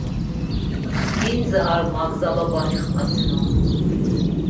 Gindze ar magzaloba iqvasinon.